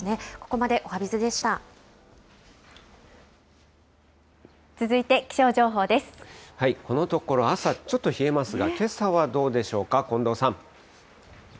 このところ朝、ちょっと冷えますが、けさはどうでしょうか、近藤さん。